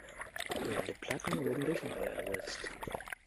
Fehlende Platten wurden durch neue ersetzt.